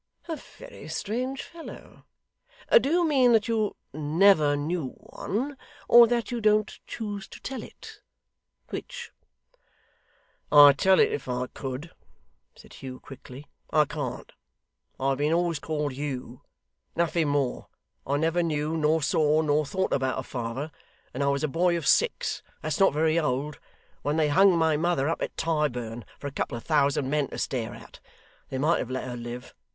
'A very strange fellow! Do you mean that you never knew one, or that you don't choose to tell it? Which?' 'I'd tell it if I could,' said Hugh, quickly. 'I can't. I have been always called Hugh; nothing more. I never knew, nor saw, nor thought about a father; and I was a boy of six that's not very old when they hung my mother up at Tyburn for a couple of thousand men to stare at. They might have let her live.